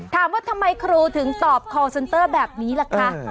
ถามว่าทำไมครูถึงตอบคอลเซนเตอร์แบบนี้ล่ะคะ